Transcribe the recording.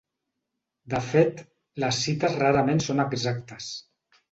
De fet, les cites rarament són exactes.